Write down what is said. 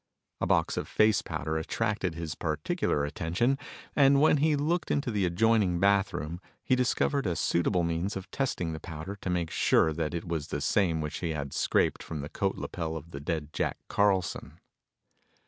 A box of face powder attracted his particular attention, and when he looked into the adjoining bathroom he discovered a suitable means of testing the powder to make sure that it was the same which he had scraped from the coat lapel of the dead Jack Carlson.